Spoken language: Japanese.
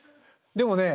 でもね